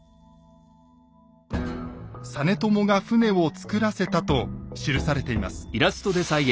「実朝が船を造らせた」と記されています。